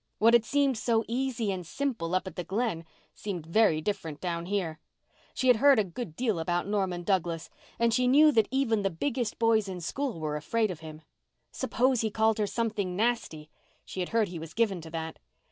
What had seemed so easy and simple up at the Glen seemed very different down here. She had heard a good deal about Norman Douglas, and she knew that even the biggest boys in school were afraid of him. Suppose he called her something nasty—she had heard he was given to that.